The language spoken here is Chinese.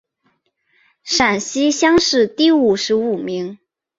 陕西乡试第五十五名。